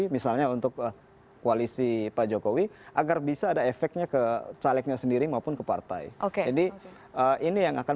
misalnya untuk koalisi pak jokowi agar bisa ada efeknya ke calegnya sendiri maupun ke partai oke jadi ini yang akan